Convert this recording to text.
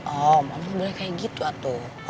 om om gak boleh kayak gitu atuh